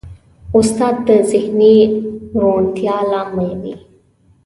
استاد د ذهني روڼتیا لامل وي.